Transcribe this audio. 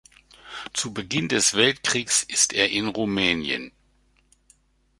Zu Beginn des Weltkrieges ist er in Rumänien.